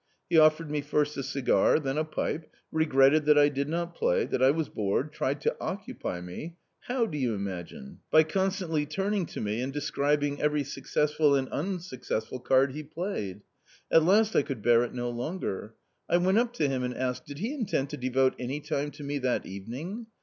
He offered me first a cigar, then a pipe, regretted that I did not play, that I was bored, tried to occupy me — how, do you imagine? — by constantly turning to me and describing every successful and unsuccessful card he played. At last I could bear it no longer ; I went up to him and asked, did he intend to devote any time to me that evening